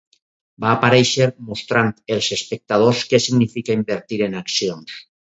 Va aparèixer mostrant els espectadors què significa invertir en accions.